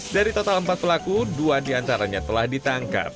dari total empat pelaku dua diantaranya telah ditangkap